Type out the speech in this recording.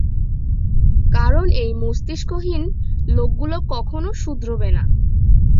কারণ এই মস্তিষ্কহীন লোকগুলো কখনও শুধরোবে না।